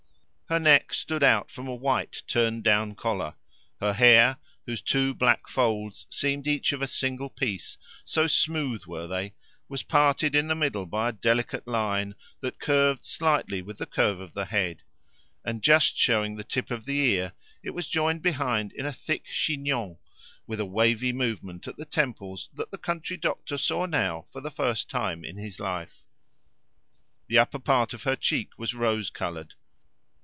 Her neck stood out from a white turned down collar. Her hair, whose two black folds seemed each of a single piece, so smooth were they, was parted in the middle by a delicate line that curved slightly with the curve of the head; and, just showing the tip of the ear, it was joined behind in a thick chignon, with a wavy movement at the temples that the country doctor saw now for the first time in his life. The upper part of her cheek was rose coloured.